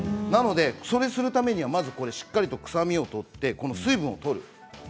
なのでそれをするためにしっかりと臭みを取って水分を取る。